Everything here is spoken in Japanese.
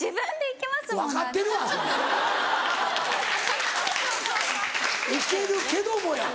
行けるけどもや。